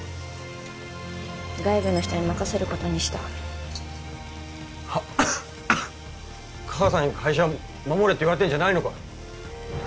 外部の人に任せることにした母さんに会社守れって言われてんじゃないのか？